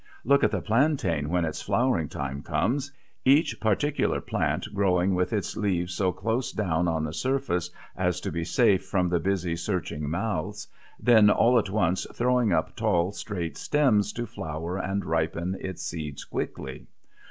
Look at the plantain when its flowering time comes; each particular plant growing with its leaves so close down on the surface as to be safe from the busy, searching mouths, then all at once throwing up tall, straight stems to flower and ripen its seeds quickly.